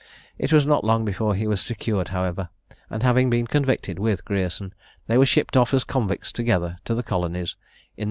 It was not long before he was secured, however, and having been convicted with Grierson, they were shipped off as convicts together to the colonies, in the year 1757.